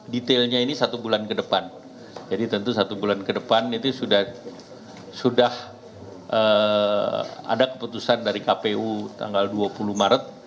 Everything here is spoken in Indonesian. detailnya ini satu bulan ke depan jadi tentu satu bulan ke depan itu sudah ada keputusan dari kpu tanggal dua puluh maret